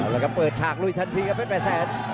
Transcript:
แล้วก็เปิดฉากลุยทันทีครับเพชรแปดแสน